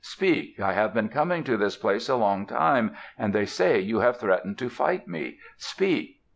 Speak! I have been coming to this place a long time, and they say you have threatened to fight me. Speak!"